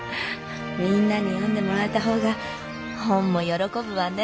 みんなに読んでもらえた方が本も喜ぶわね。